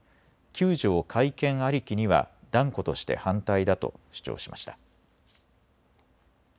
９条改憲ありきには断固として反対だと主張しました。